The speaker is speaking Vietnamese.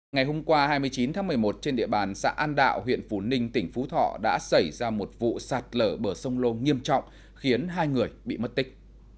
ngày hôm qua hai mươi chín tháng một mươi một trên địa bàn xã an đạo huyện phủ ninh tỉnh phú thọ đã xảy ra một vụ sạt lở bờ sông lô nghiêm trọng khiến hai người bị mất tích